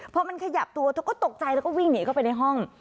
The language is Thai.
พอมันขยับตัวเธอก็ตกใจแล้วก็วิ่งหนีเข้าไปในห้อง